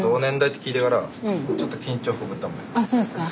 あっそうですか？